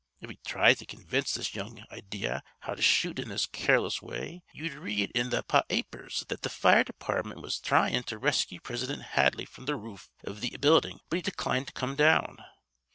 If he thried to convince this young idea how to shoot in this careless way ye'd read in the pa apers that th' fire department was thryin' to rescue Prisidint Hadley fr'm th' roof iv th' buildin' but he declined to come down.